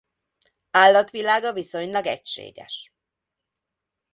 Állatvilága viszonylag egységes.